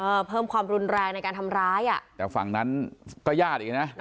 เพิ่มความรุนแรงในการทำร้ายอ่ะแต่ฝั่งนั้นก็ญาติอีกนะ